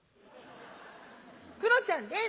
クロちゃんです！